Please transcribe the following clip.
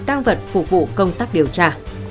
tăng vật phục vụ công tác điều tra